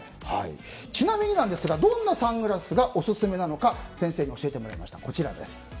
ちなみになんですがどんなサングラスがオススメなのか先生に教えてもらいました。